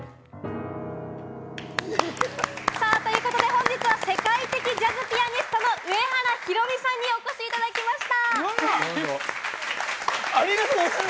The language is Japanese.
本日は、世界的ジャズピアニストの上原ひろみさんにお越しいただきました！